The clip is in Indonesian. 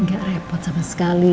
gak repot sama sekali